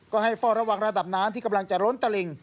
ก็ให้เฝ้าระวังระดับน้ำที่กำลังจะล้นตลิ่ง